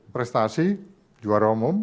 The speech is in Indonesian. prestasi juara umum